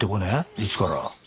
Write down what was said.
いつから？